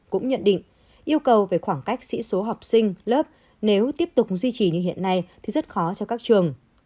cũng nhận định yêu cầu về khoảng cách sĩ số học sinh lớp nếu tiếp tục duy trì như hiện nay thì rất khó cho các trường